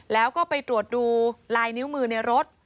แล้วก็ไปตรวจดูลายนิ้วมือในรถ